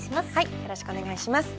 よろしくお願いします。